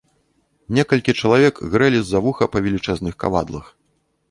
Некалькі чалавек грэлі з-за вуха па велічэзных кавадлах.